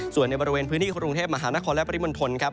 ส่วนในบริเวณพื้นที่กรุงเทพมหานครและปริมณฑลครับ